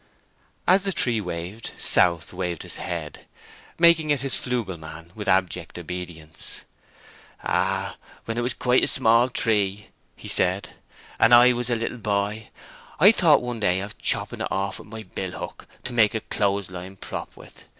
As the tree waved, South waved his head, making it his flugel man with abject obedience. "Ah, when it was quite a small tree," he said, "and I was a little boy, I thought one day of chopping it off with my hook to make a clothes line prop with.